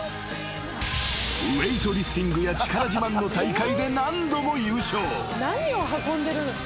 ［ウエートリフティングや力自慢の大会で何度も優勝］